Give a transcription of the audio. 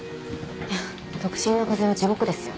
独身の風邪は地獄ですよ。